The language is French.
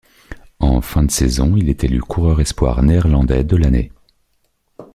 En fin de saison, il est élu coureur espoir néerlandais de l'année.